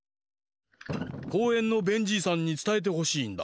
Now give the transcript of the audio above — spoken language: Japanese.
こうえんのベンじいさんにつたえてほしいんだ。